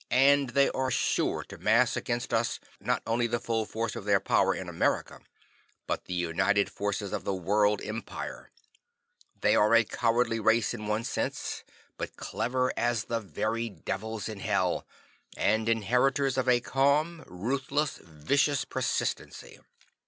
And they are sure to mass against us not only the full force of their power in America, but the united forces of the World Empire. They are a cowardly race in one sense, but clever as the very Devils in Hell, and inheritors of a calm, ruthless, vicious persistency."